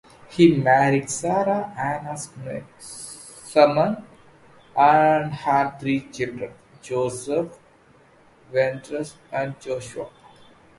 He married Sarah Ann Sirman and had three children: Joseph, Vendreths, and Joshua.